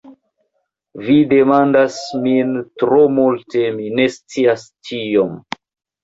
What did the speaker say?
Vi demandas min tro multe; mi ne scias tiom.